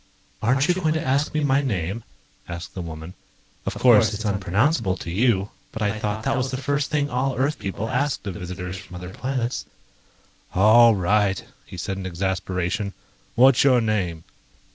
"Aren't you going to ask me my name?" asked the woman. "Of course, it's unpronounceable to you, but I thought that was the first thing all Earth people asked of visitors from other planets." "All right," he said in exasperation. "What's your name?"